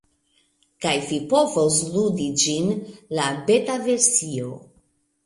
kaj vi povos ludi ĝin, la betaversio